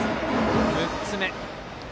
６つ目。